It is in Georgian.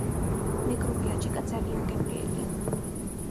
მეგრული აჯიკა ძალიან გემრიელია